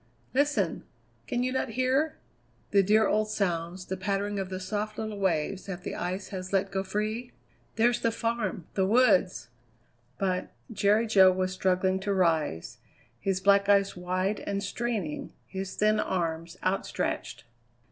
Listen! Can you not hear the dear old sounds, the pattering of the soft little waves that the ice has let go free? There's the farm, the woods " But Jerry Jo was struggling to rise; his black eyes wide and straining, his thin arms outstretched.